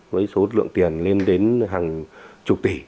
với số lượng tiền lên đến hàng chục tỷ